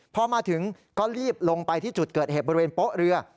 พอมาถึงก็รีบลงไปที่จุดเกิดเหตุบริเวณโป๊ะเรือ